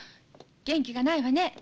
元気がないわね。